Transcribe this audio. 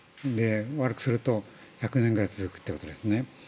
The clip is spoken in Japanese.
悪くすると１００年ぐらい続くということですね。